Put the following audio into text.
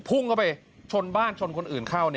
พุ่งเข้าไปชนบ้านชนคนอื่นเข้า